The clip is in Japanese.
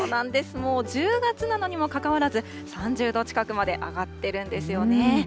もう１０月なのにもかかわらず、３０度近くまで上がっているんですよね。